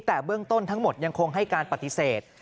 แต่เบื้องต้นทั้งหมดยังคงให้การปฏิเสธ